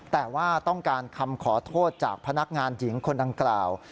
แต่ว่าต้องการคำขอโทษจากพนักงานหญิงคนดังกล่าว